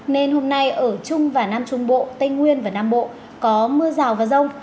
nên hôm nay ở trung và nam trung bộ tây nguyên và nam bộ có mưa rào và rông